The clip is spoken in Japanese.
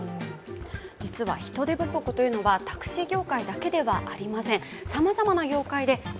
実は人手不足というのはタクシー業界だけではありません。